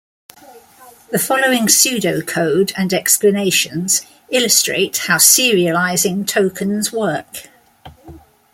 The following pseudocode and explanations illustrate how serializing tokens work.